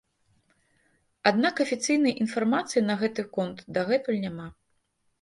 Аднак афіцыйнай інфармацыі на гэты конт дагэтуль няма.